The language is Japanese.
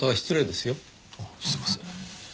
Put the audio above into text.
すいません。